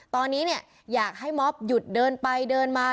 ตอนนี้เนี่ยอยากให้มอบหยุดเดินไปเดินมา